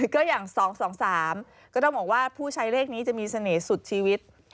ก็อย่างสองสองสามก็เรียกว่าผู้ใช้เลขนี้จะมีเสน่ห์สุดชีวิต